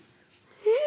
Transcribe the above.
えっ？